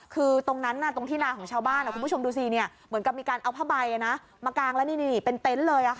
คือตรงนั้นตรงที่นาของชาวบ้านเหมือนกับมีการเอาผ้าใบมากางแล้วเป็นเต็นต์เลย